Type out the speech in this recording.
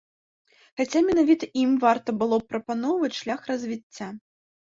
Хаця менавіта ім варта было б прапаноўваць шлях развіцця.